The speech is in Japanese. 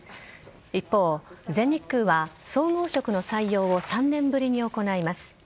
一方、全日空は総合職の採用を３年ぶりに行います。